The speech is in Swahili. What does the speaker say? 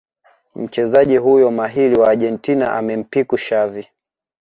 Mchezaji huyo mahiri wa Argentina amempiku Xavi